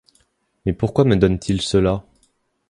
Mais pourquoi me donne-t-il cela ?